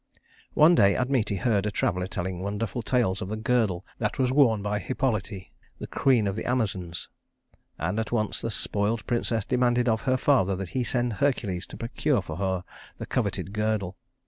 One day Admete heard a traveler telling wonderful tales of the girdle that was worn by Hippolyte, queen of the Amazons; and at once the spoiled princess demanded of her father that he send Hercules to procure for her the coveted girdle.